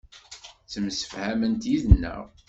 Ttemsefhament yid-neɣ.